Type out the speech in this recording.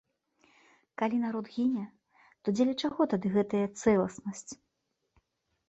Калі народ гіне, то дзеля чаго тады тая цэласнасць?